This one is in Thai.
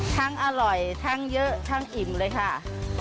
อร่อยทั้งเยอะทั้งอิ่มเลยค่ะ